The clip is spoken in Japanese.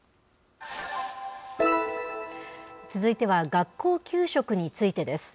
続いては、学校給食についてです。